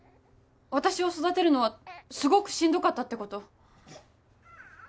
私を育てるのはすごくしんどかったってこと？